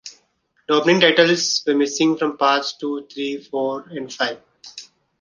The opening titles were missing from Parts Two, Three, Four and Five.